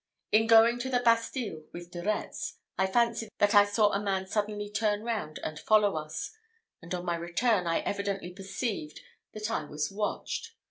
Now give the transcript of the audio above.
In going to the Bastille with De Retz, I fancied that I saw a man suddenly turn round and follow us; and, on my return, I evidently perceived that I was watched.